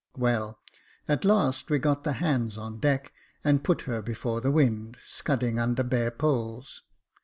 Jacob Faithful 83 Well, at last we got the hands on deck, and put her before the wind, scudding under bare poles.